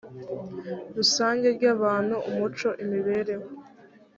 rusange ry abantu umuco imibereho